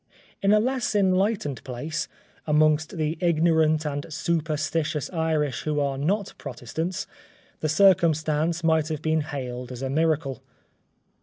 In a less enlightened place, amongst the ignorant and superstitious Irish who are not Protestants, the circumstance might have been hailed as a miracle.